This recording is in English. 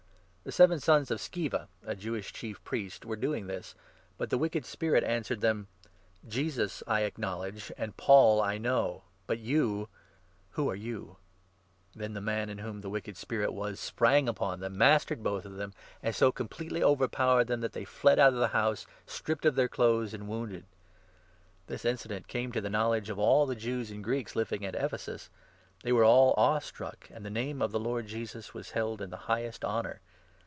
The seven sons of Sceva, a Jewish Chief Priest, were doing 14 this ; but the wicked spirit answered them : 15 " Jesus I acknowledge, and Paul I know, but you — who are you ?" Then the man, in whom this wicked spirit was, sprang upon 16 them, mastered both of them, and so completely overpowered them, that they fled out of the house, stripped of their clothes, and wounded. This incident came to the knowledge of all 17 the Jews and Greeks living at Ephesus ; they were all awe struck, and the Name of the Lord Jesus was held in the highest honour.